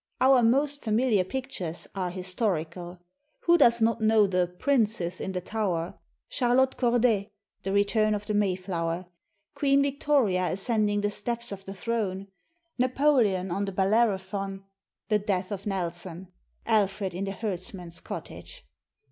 Our most familiar pictures are historical. Who does not know the "Princes in the Tower," "Charlotte Corday," the "Return of the Mayjflower," "Queen Victoria Ascend ing the Steps of the Throne," "Napoleon on the Bellerophon," the "Death of Nelson," "Alfred in the Herdsman's Cottage"?